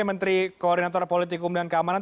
menteri koordinator politik hukum dan keamanan